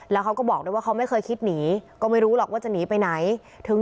แล้วเขาก็บอกด้วยว่าเขาไม่เคยคิดหนีก็ไม่รู้หรอกว่าจะหนีไปไหนถึง